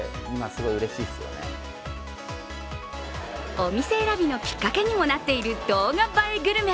お店選びのきっかけにもなっている動画映えグルメ。